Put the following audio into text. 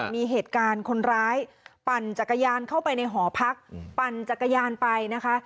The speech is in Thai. มีเหตุการณ์คนร้ายปั่นจักรยานเข้าไปในหอพักปั่นจักรยานไปนะคะ